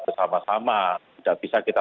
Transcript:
bersama sama tidak bisa kita